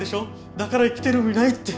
だから生きてる意味ないって。